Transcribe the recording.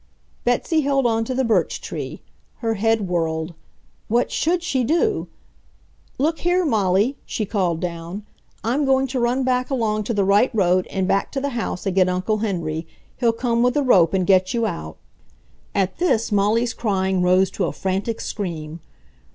Betsy held on to the birch tree. Her head whirled. What SHOULD she do! "Look here, Molly," she called down, "I'm going to run back along to the right road and back to the house and get Uncle Henry. He'll come with a rope and get you out!" At this Molly's crying rose to a frantic scream.